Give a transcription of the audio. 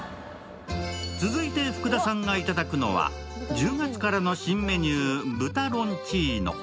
続いて福田さんがいただくのは１０月からの新メニュー、豚ロンチーノ。